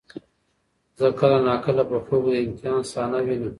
زه کله ناکله په خوب کې د امتحان صحنه وینم.